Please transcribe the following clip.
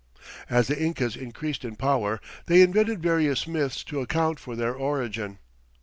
As the Incas increased in power they invented various myths to account for their origin.